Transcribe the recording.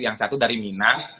yang satu dari minang